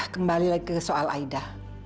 kembali lagi ke soal aida